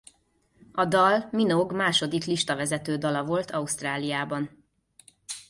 A dal Minogue második listavezető dala volt Ausztráliában.